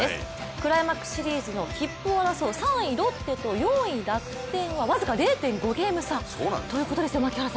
クライマックスシリーズの切符を争う３位ロッテと４位楽天は僅か０．５ゲーム差ということですよ。